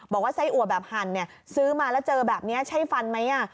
บอกว่าไส้อัวแบบหั่นซื้อมาแล้วเจอแบบนี้ใช่ฟันไหม